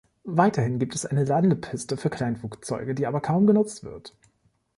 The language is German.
Weiterhin gibt es eine Landepiste für Kleinflugzeuge, die aber kaum genutzt wird.